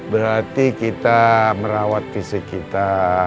berarti kita merawat fisik kita